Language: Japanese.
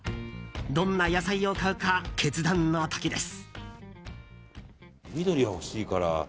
どんな野菜を買うか決断の時です。